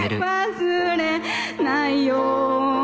忘れないよ